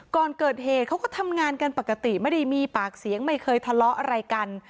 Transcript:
ก่อนเกิดเหตุเขาก็ทำงานกันปกติไม่ได้มีปากเสียงไม่เคยทะเลาะอะไรกัน